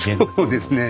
そうですね。